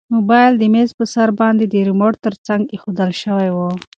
موبایل د میز په سر باندې د ریموټ تر څنګ ایښودل شوی و.